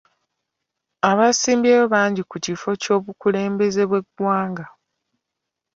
Abesimbyewo bangi ku kifo ky'obukulembeze bw'eggwanga..